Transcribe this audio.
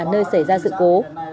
nơi xảy ra sự cố